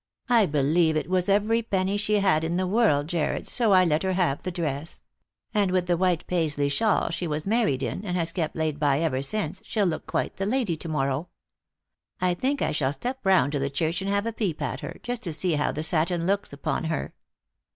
I believe it was every penny she had in the world, Jarred, so I let her have the dress. And with the white Paisley shawl she was married in, and has kept laid by ever since, she'll look quite the lady to morrow. I think I shall step round to the church and have a peep at her, just to see how the satin looks upon her."